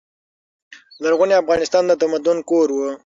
لرغونی افغانستان د تمدن کور و.